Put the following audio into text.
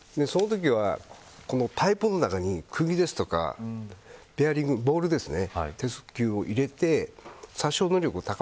そのときはパイプの中に、くぎですとかペアリング、ボールですね。